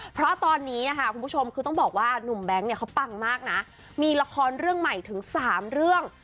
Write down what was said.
เพราะตอนนี้นะคะคุณผู้ชมคือต้องบอกว่าหนุ่มแบงค์เนี่ยเขาปังมากนะมีละครเรื่องใหม่ถึง๓เรื่อง